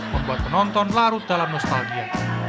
membuat penonton larut dalam nostalgia